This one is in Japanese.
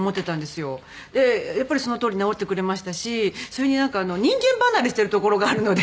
でやっぱりそのとおり治ってくれましたしそれになんか人間離れしてるところがあるので。